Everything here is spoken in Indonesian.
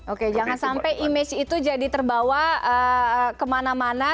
oke jangan sampai image itu jadi terbawa kemana mana